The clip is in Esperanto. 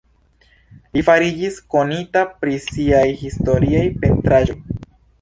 Li fariĝis konita pri siaj historiaj pentraĵoj.